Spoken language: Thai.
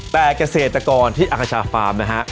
แต่เกษตรกรที่อาคชาฟาร์มนะฮะ